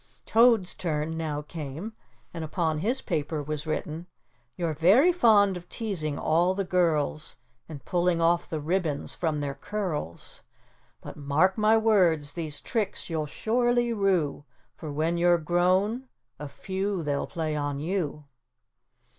Toad's turn now came and upon his paper was written: "You're very fond of teasing all the girls, And pulling off the ribbons from their curls; But mark my words, these tricks you'll surely rue, For when you're grown, a few they'll play on you."